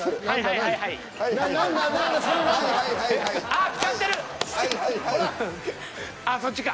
あっそっちか。